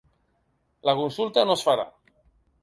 La consulta no es farà.